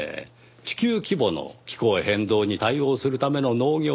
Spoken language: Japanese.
地球規模の気候変動に対応するための農業工学。